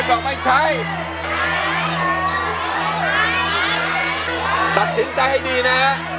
ตัดสินใจให้ดีนะ